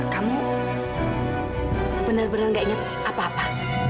kamu benar benar gak ingat apa apa